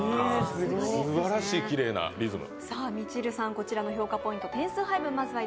すばらしいきれいなリズム。